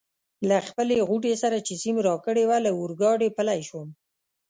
له خپلې غوټې سره چي سیم راکړې وه له اورګاډي پلی شوم.